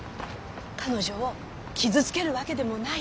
彼女を傷つけるわけでもないし。